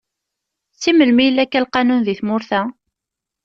Si melmi yella akka lqanun di tmurt-a?